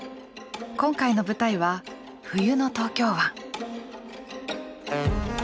今回の舞台は冬の東京湾。